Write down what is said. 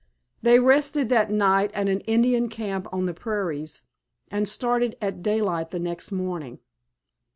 They rested that night at an Indian camp on the prairies, and started at daylight the next morning.